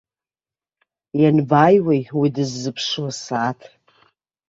Ианбааиуеи уи дыззыԥшу асааҭ?